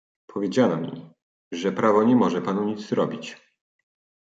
"Powiedziano mi, że prawo nie może panu nic zrobić."